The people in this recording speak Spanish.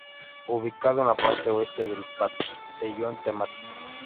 Ubicado en la parte oeste del Pabellón Temático.